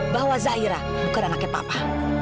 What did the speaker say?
bahwa zaira bukan anaknya papa